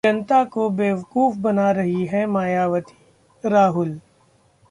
जनता को बेवकूफ बना रही हैं मायावती: राहुल